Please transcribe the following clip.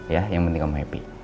ya yang penting kamu happy